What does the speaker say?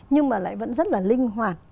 nhưng mà lại vẫn rất là linh hoạt